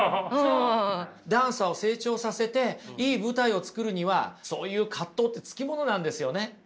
ダンサーを成長させていい舞台を作るにはそういう葛藤ってつきものなんですよね。